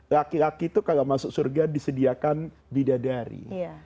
laki laki itu kalau masuk surga disediakan bidadari